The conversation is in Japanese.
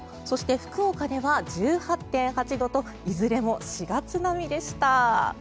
そして福岡では１８．８度といずれも４月並みでした。